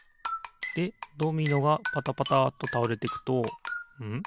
でドミノがパタパタっとたおれていくとん？